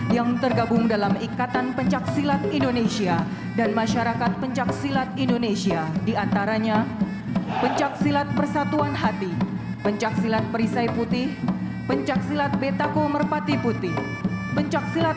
yang menjunjung keyakinan bahwa segala kekuatan kepintaran dan kehebatan akan terkalahkan oleh kesabaran dan keikhlasan